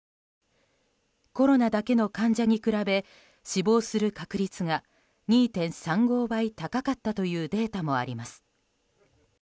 コロナだけの患者に比べ死亡する確率が２．３５倍高かったというデータもあります。